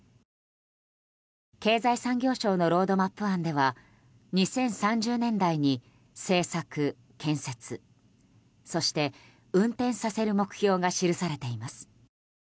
経済産業省のロードマップ案では２０３０年代に製作・建設そして、運転させる目標が記されています。